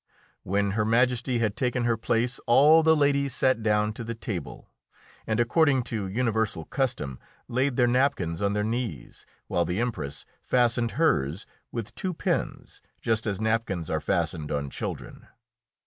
When Her Majesty had taken her place all the ladies sat down to the table, and, according to universal custom, laid their napkins on their knees, while the Empress fastened hers with two pins, just as napkins are fastened on children.